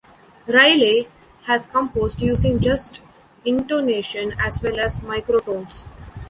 Riley has composed using just intonation as well as microtones.